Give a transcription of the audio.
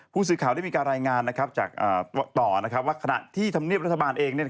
ผู้สื่อข่าวได้มีการรายงานจากต่อว่าขณะที่ธรรมเนียบรัฐบาลเอง